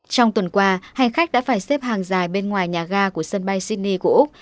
trong tuần qua hành khách đã phải xếp hàng dài bên ngoài nhà ga của sân bay sydney của úc